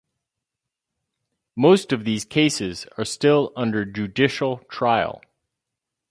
Most of these cases are still under judicial trial.